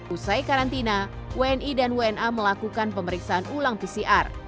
usai karantina wni dan wna melakukan pemeriksaan ulang pcr